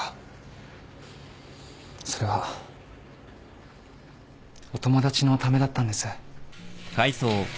それはお友達のためだったんです。